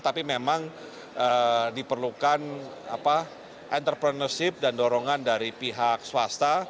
tapi memang diperlukan entrepreneurship dan dorongan dari pihak swasta